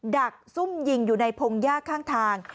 ดักซุ่มยิงอยู่ในพงหญ้าข้างทาง